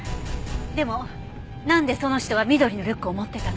でもなんでその人は緑のリュックを持ってたの？